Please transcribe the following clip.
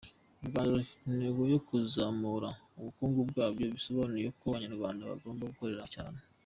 U Rwanda rufite intego yo kuzamura ubukungu bwarwo, bisobanuye ko Abanyarwanda bagomba gukora cyane.